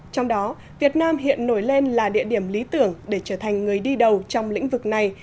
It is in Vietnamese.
trong đó việt nam hiện nổi lên là địa điểm lý tưởng để trở thành người đi đầu trong lĩnh vực này